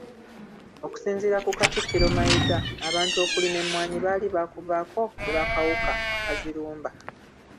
Okusinziira ku Katikkiro Mayiga, abantu okulima emmwanyi baali baakuvaako olw’akawuka akazirumba.